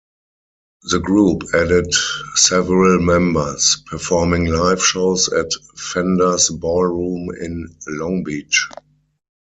The group added several members, performing live shows at Fenders Ballroom in Long Beach.